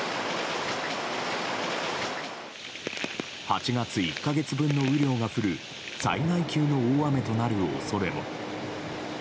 ８月１か月分の雨量が降る災害級の大雨となる恐れも。